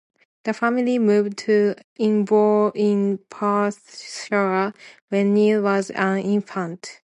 The family moved to Inver in Perthshire when Niel was an infant.